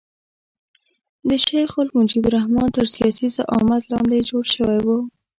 د شیخ مجیب الرحمن تر سیاسي زعامت لاندې جوړ شوی وو.